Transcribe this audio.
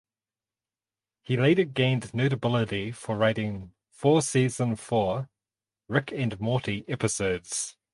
He later gained notability for writing four season four "Rick and Morty" episodes.